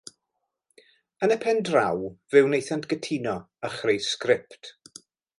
Yn y pen draw, fe wnaethant gytuno a chreu sgript.